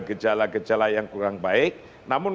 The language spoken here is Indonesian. gejala gejala yang kurang baik namun